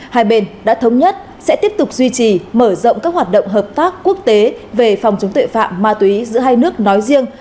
hai bên đã thống nhất sẽ tiếp tục duy trì mở rộng các hoạt động hợp tác quốc tế về phòng chống tội phạm ma túy giữa hai nước nói riêng